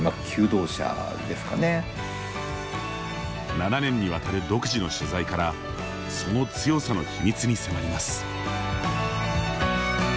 ７年に渡る独自の取材からその強さの秘密に迫ります。